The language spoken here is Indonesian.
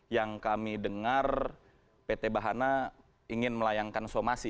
yang kami dengar pt bahana ingin melayangkan somasi